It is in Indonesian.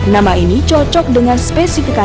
nama ini cocok dengan spesifikasi